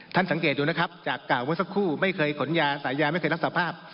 สังเกตดูนะครับจากกล่าวเมื่อสักครู่ไม่เคยขนยาสายาไม่เคยรับสภาพ